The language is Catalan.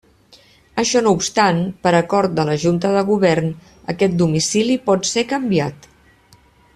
Això no obstant, per acord de la Junta de Govern, aquest domicili pot ser canviat.